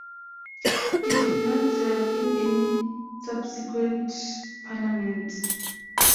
He did not serve in any subsequent Parliaments.